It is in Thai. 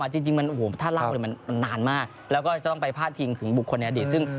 แต่ว่ามันสามารถเป็นสกรกันได้จริง